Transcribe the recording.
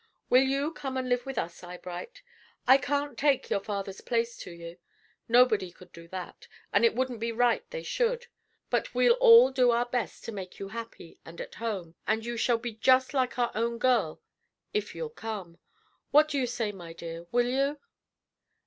Will you come and live with us, Eyebright? I can't take your father's place to you, nobody could do that, and it wouldn't be right they should; but we'll all do our best to make you happy and at home, and you shall be just like our own girl if you'll come. What do you say, my dear? Will you?"